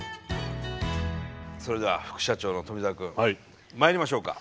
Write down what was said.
それでは副社長の富澤くんまいりましょうか。